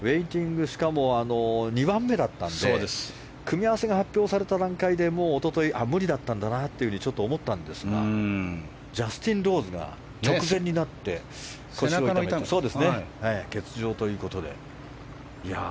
しかも、２番目だったので組み合わせが発表された段階で一昨日無理だったんだなと思ったんですがジャスティン・ローズが直前になって欠場ということで。